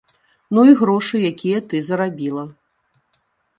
Ну і грошы, якія ты зарабіла.